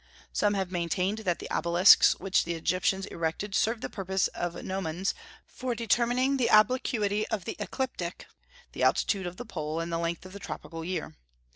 Some have maintained that the obelisks which the Egyptians erected served the purpose of gnomons for determining the obliquity of the ecliptic, the altitude of the pole, and the length of the tropical year.